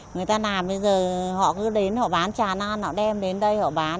người ta làm bây giờ họ cứ đến họ bán trà non họ đem đến đây họ bán